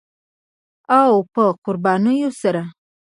او په قربانیو سره